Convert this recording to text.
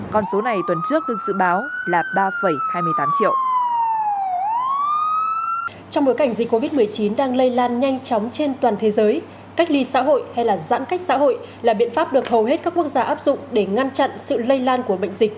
còn số này tuần trước được dự báo là ba hai mươi tám triệu